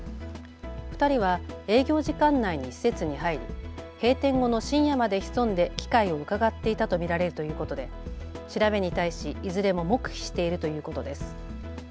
２人は営業時間内に施設に入り閉店後の深夜まで潜んで機会をうかがっていたと見られるということで調べに対しいずれも黙秘しているということです。